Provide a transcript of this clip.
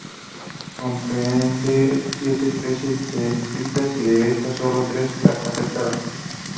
Comprende siete especies descritas y de estas, solo tres aceptadas.